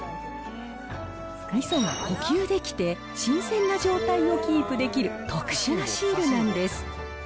みそが呼吸できて、新鮮な状態をキープできる特殊なシールなんです。